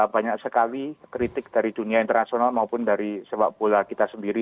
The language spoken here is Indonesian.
banyak sekali kritik dari dunia internasional maupun dari sepak bola kita sendiri